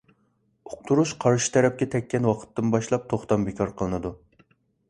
ئۇقتۇرۇش قارشى تەرەپكە تەگكەن ۋاقىتتىن باشلاپ توختام بىكار قىلىنىدۇ.